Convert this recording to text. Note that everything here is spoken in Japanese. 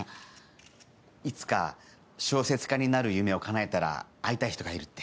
いつか小説家になる夢をかなえたら会いたい人がいるって。